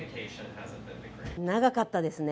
長かったですね。